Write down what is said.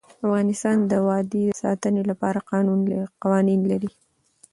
افغانستان د وادي د ساتنې لپاره قوانین لري.